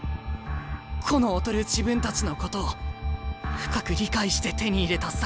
個の劣る自分たちのことを深く理解して手に入れたサッカー。